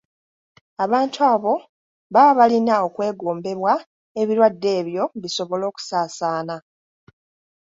Abantu abo baba balina okwegombebwa ebirwadde ebyo bisobole okusaasaana.